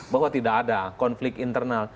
bahwa tidak ada konflik internal